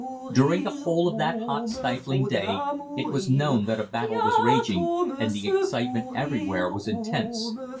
During the whole of that hot, stifling day it was known that a battle was raging, and the excitement everywhere was intense.